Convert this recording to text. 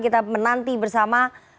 kita menanti bersama